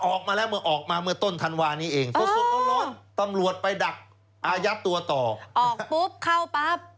ออกปุ๊บเข้าปั๊บ